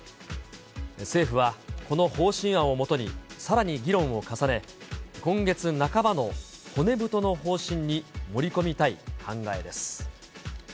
政府はこの方針案をもとに、さらに議論を重ね、今月半ばの骨太の方針に盛り込みたい考えです。